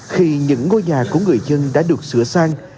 khi những ngôi nhà của người dân đã được sửa sang